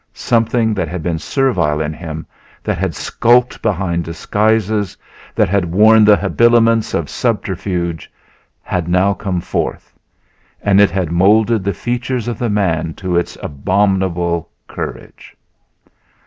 Something that had been servile in him, that had skulked behind disguises, that had worn the habiliments of subterfuge, had now come forth; and it had molded the features of the man to its abominable courage.